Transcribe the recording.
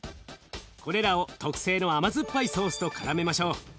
これらを特製の甘酸っぱいソースとからめましょう。